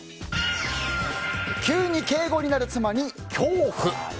急に敬語になる妻に恐怖。